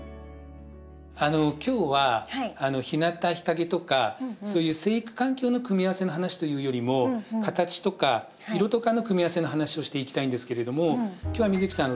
今日はひなた日陰とかそういう生育環境の組み合わせの話というよりも形とか色とかの組み合わせの話をしていきたいんですけれども今日は美月さん